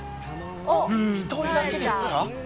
１人だけですか。